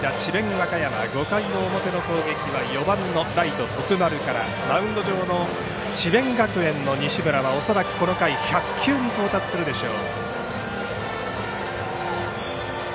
和歌山、５回の表の攻撃５番のライト徳丸からマウンド上の智弁学園の西村が恐らくこの回１００球に到達するでしょう。